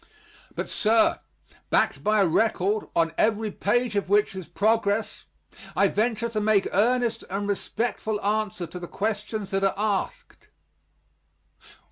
But, sir, backed by a record, on every page of which is progress, I venture to make earnest and respectful answer to the questions that are asked.